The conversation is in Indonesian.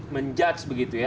menjudge begitu ya